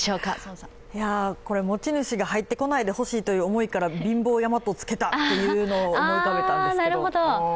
持ち主が入ってこないでほしいという思いから貧乏山とつけたと思い浮かべたんですけれども。